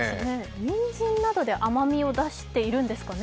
にんじんなどで甘みを出しているんでしょうかね。